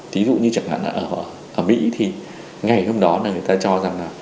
thí dụ như chẳng hạn ở mỹ thì ngày hôm đó người ta cho rằng là